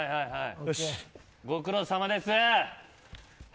ご苦労さまです。